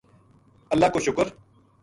اللہ کو شکر